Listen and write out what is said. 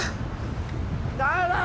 ダメだ！